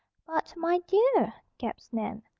"But, my DEAR!" gasped Nan.